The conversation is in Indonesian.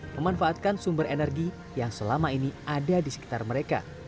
memanfaatkan sumber energi yang selama ini ada di sekitar mereka